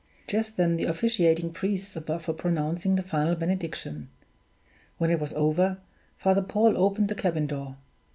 Just then the officiating priests above were pronouncing the final benediction. When it was over, Father Paul opened the cabin door.